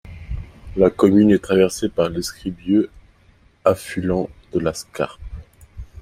La commune est traversée par l'Escrebieux, affluent de la Scarpe.